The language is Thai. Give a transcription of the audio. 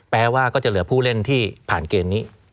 แม้ว่าก็จะเหลือผู้เล่นที่ผ่านเกณฑ์นี้